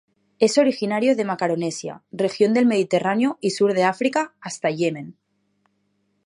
Es originario de Macaronesia, región del Mediterráneo y sur de África hasta Yemen.